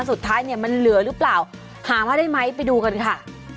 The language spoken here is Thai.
สุดท้ายเนี่ยมันเหลือหรือเปล่าหามาได้ไหมไปดูกันค่ะ